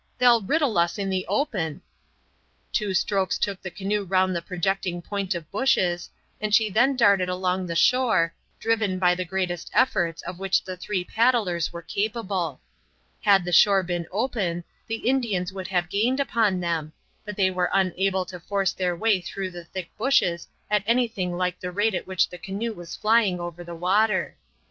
"They'll riddle us in the open." Two strokes took the canoe round the projecting point of bushes, and she then darted along the shore, driven by the greatest efforts of which the three paddlers were capable. Had the shore been open the Indians would have gained upon them, but they were unable to force their way through the thick bushes at anything like the rate at which the canoe was flying over the water.